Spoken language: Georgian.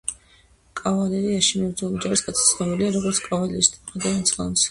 კავალერიაში მებრძოლი ჯარისკაცი ცნობილია როგორც კავალერისტი, მხედარი ან ცხენოსანი.